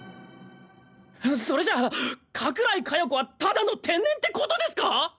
それじゃあ加倉井加代子はただの天然ってことですか！？